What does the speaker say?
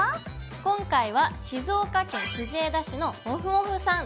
今回は静岡県藤枝市のもふもふさん